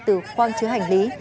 từ khoang chứa hành lý